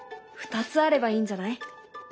２つあればいいんじゃない？